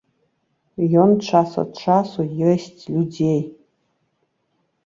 Ён час ад часу есць людзей.